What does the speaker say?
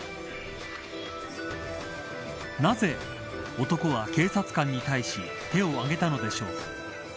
なぜ、男は警察官に対し手を挙げたのでしょうか。